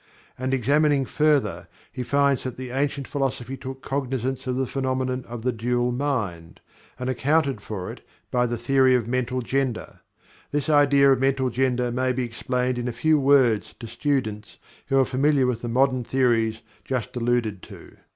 And examining further he finds that the ancient philosophy took cognizance of the phenomenon of the "dual mind," and accounted for it by the theory of Mental Gender. This idea of Mental Gender may be explained in a few words to students who are familiar with the modern theories just alluded to.